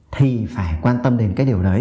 thì phải quan tâm đến cái điều đấy